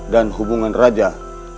dan hubungan raja menurutku sangat baik